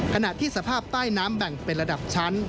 ขณะที่สภาพใต้น้ำแบ่งเป็นระดับชั้น